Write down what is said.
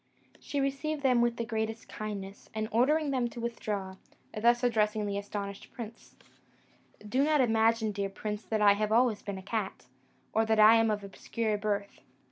She received them with the greatest kindness, and ordering them to withdraw, thus addressed the astonished prince: "Do not imagine, dear prince, that I have always been a cat, or that I am of obscure birth.